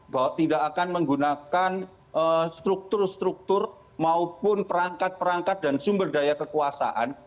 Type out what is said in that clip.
bahwa tidak akan menggunakan struktur struktur maupun perangkat perangkat dan sumber daya kekuasaan